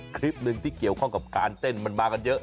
คลิปหนึ่งที่เกี่ยวข้องกับการเต้นมันมากันเยอะ